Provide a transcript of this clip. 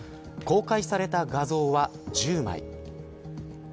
公開された画像は１０枚。